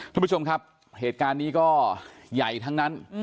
คุณผู้ชมครับเหตุการณ์นี้ก็ใหญ่ทั้งนั้น